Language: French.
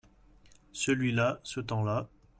Celui-là, ce temps-là.